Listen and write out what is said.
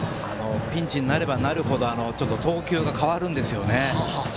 ピンチになればなるほど投球が変わるんですよね。